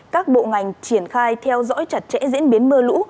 các bộ ngành triển khai theo dõi chặt chẽ diễn biến mưa lũ